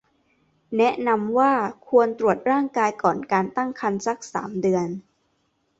แนะนำว่าควรตรวจร่างกายก่อนการตั้งครรภ์สัก สาม เดือน